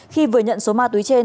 khi vừa nhận số ma túi trên